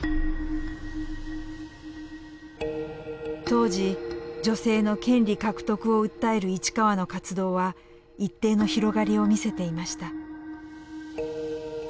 当時女性の権利獲得を訴える市川の活動は一定の広がりを見せていました。